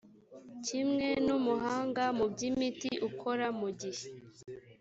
kimwe n umuhanga mu by imiti ukora mu gihe